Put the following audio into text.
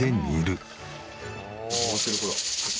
回ってるほら。